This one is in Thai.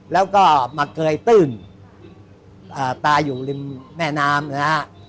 แล้วก็มาเกยตื้นตายอยู่ริมแม่น้ำนะฮะ